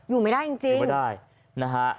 อยู่ไม่ได้จริง